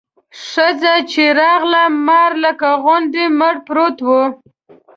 ښځه چې راغله مار لکه غونډی مړ پروت و.